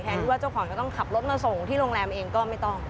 ที่ว่าเจ้าของก็ต้องขับรถมาส่งที่โรงแรมเองก็ไม่ต้อง